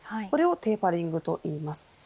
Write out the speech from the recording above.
これをテーパリングといいます。